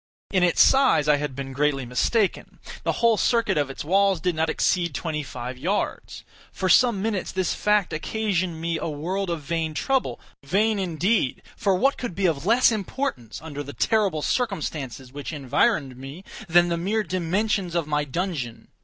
In its size I had been greatly mistaken. The whole circuit of its walls did not exceed twenty five yards. For some minutes this fact occasioned me a world of vain trouble; vain indeed! for what could be of less importance, under the terrible circumstances which environed me, then the mere dimensions of my dungeon?